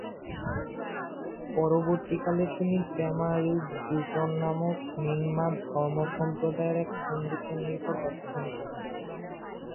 পরবর্তীকালে তিনি পে-মা-রিগ-'দ্জিন নামক র্ন্যিং-মা ধর্মসম্প্রদায়ের এক পন্ডিতের নিকট অধ্যয়ন করেন।